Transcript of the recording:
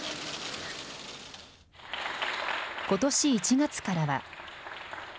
ことし１月からは。